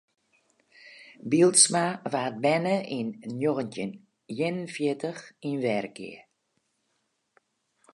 Bylsma waard berne yn njoggentjin ien en fjirtich yn Wergea.